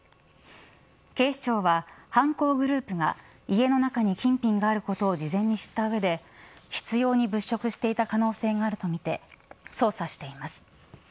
警視庁は犯行グループが家の中に金品があることを事前に知った上で執拗に物色していた可能性があるとみて捜査しています。